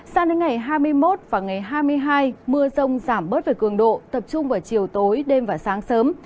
sang đến ngày hai mươi một và ngày hai mươi hai mưa rông giảm bớt về cường độ tập trung vào chiều tối đêm và sáng sớm